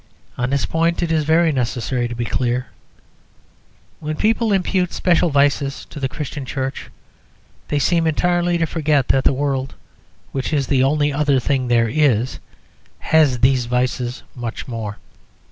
On this point it is very necessary to be clear. When people impute special vices to the Christian Church, they seem entirely to forget that the world (which is the only other thing there is) has these vices much more.